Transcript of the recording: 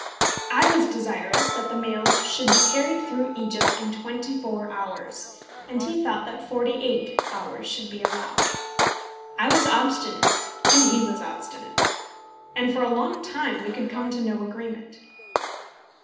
I was desirous that the mails should be carried through Egypt in twenty four hours, and he thought that forty eight hours should be allowed. I was obstinate, and he was obstinate; and for a long time we could come to no agreement.